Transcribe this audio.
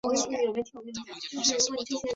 韦斯活在柴郡的南特威奇。